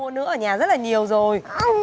mẹ không mua nữa ở nhà rất là nhiều rồi